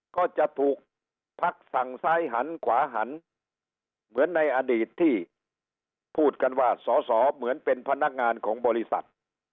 ก็จะถูกพักสั่งซ้ายหันขวาหันเหมือนในอดีตที่พูดกันว่าสอสอเหมือนเป็นพนักงานของบริษัท